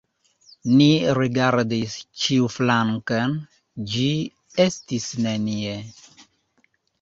Ni rigardis ĉiuflanken – ĝi estis nenie!